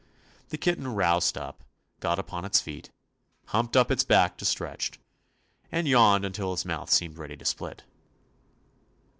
The kitten roused up, got upon its feet, humped up its back to stretch, and yawned until its mouth seemed ready to split.